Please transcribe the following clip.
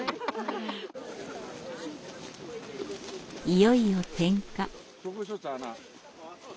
いよいよ点火。